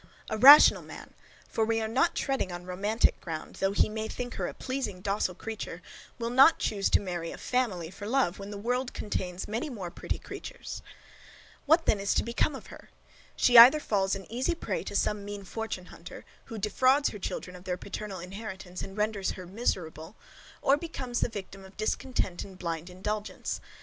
A rational man, for we are not treading on romantic ground, though he may think her a pleasing docile creature, will not choose to marry a FAMILY for love, when the world contains many more pretty creatures. What is then to become of her? She either falls an easy prey to some mean fortune hunter, who defrauds her children of their paternal inheritance, and renders her miserable; or becomes the victim of discontent and blind indulgence.